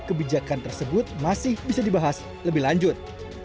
kebijakan tersebut masih bisa dibahas lebih lanjut